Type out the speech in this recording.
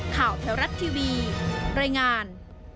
ข่าวแถวรัฐทีวีรายงาน